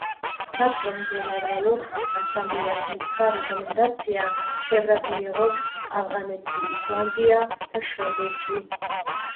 საბჭომ გენერალურ ასამბლეას მისცა რეკომენდაცია წევრად მიეღოთ ავღანეთი, ისლანდია და შვედეთი.